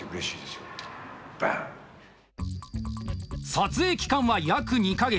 撮影期間は約２か月。